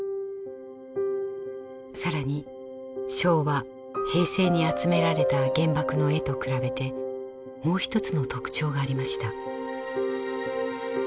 更に昭和・平成に集められた原爆の絵と比べてもう一つの特徴がありました。